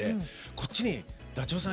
こっちにダチョウさん